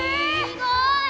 すごい！